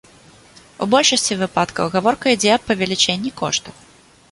У большасці выпадкаў гаворка ідзе аб павелічэнні коштаў.